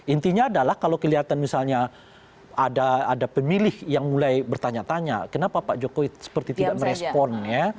intinya adalah kalau kelihatan misalnya ada pemilih yang mulai bertanya tanya kenapa pak jokowi seperti tidak merespon ya